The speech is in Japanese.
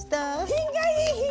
品がいい！